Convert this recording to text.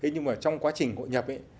nhưng mà trong quá trình hội nhập ấy